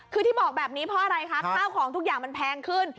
คือที่บอกแบบนี้เพราะอะไรคะข้าวของทุกอย่างมันแพงขึ้น